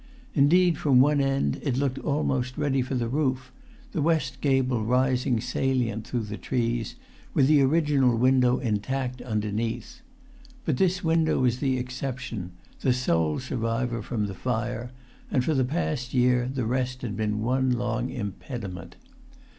Indeed, from one end, it looked almost ready for the roof, the west gable rising salient through the trees, with the original window intact underneath. But this window was the exception, the sole survivor from the fire, and for the past year the rest had been one long impediment.